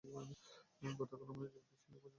গতকাল আমাকে জীবিত খুঁজে পেয়ে তুমি অবাক হয়েছিলে।